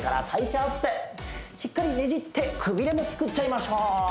しっかりねじってくびれも作っちゃいましょう！